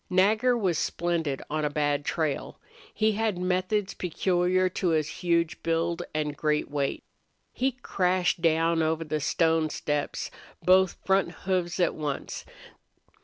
Nagger was splendid on a bad trail. He had methods peculiar to his huge build and great weight. He crashed down over the stone steps, both front hoofs at once.